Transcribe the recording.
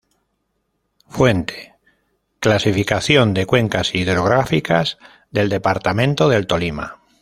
Fuente: Clasificación de cuencas hidrográficas del Departamento del Tolima.